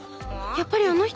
やっぱりあの人。